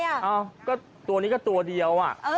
เอ้าก็ตัวนี้ก็ตัวเดียว